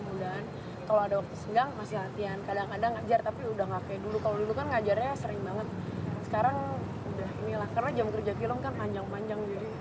sekarang udah inilah karena jam kerja film kan panjang panjang